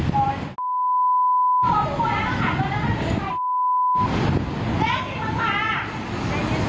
สาวของตาเลาะบอกหัวได้แบบปืง